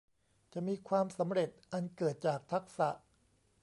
จะมีความสำเร็จอันเกิดจากทักษะ